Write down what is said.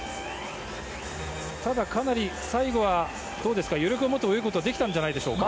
ただ、かなり最後は余力を持って泳ぐことができたんじゃないでしょうか。